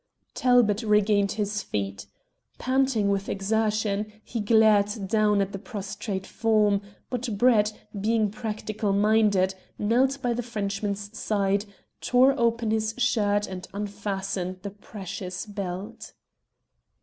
Talbot regained his feet. Panting with exertion, he glared down at the prostrate form, but Brett, being practical minded, knelt by the Frenchman's side, tore open his shirt, and unfastened the precious belt.